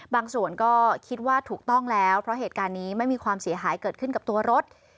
ส่วนก็คิดว่าถูกต้องแล้วเพราะเหตุการณ์นี้ไม่มีความเสียหายเกิดขึ้นกับตัวรถ